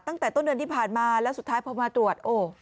ตั้งแต่ต้นเดือนที่ผ่านมาแล้วสุดท้ายพอมาตรวจโอ้